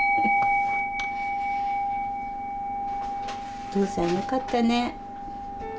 おとうさんよかったね。